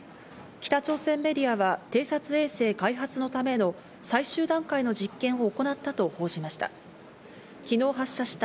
北朝鮮メディアは偵察衛星開発のための最終段階の実験を行ったと報じました。